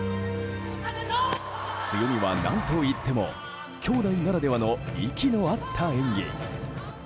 強みは何といっても姉弟ならではの息の合った演技。